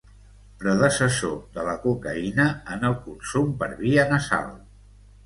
Predecessor de la cocaïna en el consum per via nasal.